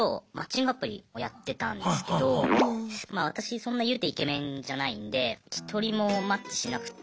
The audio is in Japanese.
そんないうてイケメンじゃないんで１人もマッチしなくって。